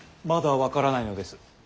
まだ分からないのです。